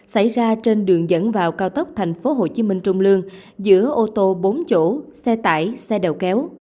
xảy ra trên đường dẫn vào cao tốc tp hcm trung lương giữa ô tô bốn chỗ xe tải xe đầu kéo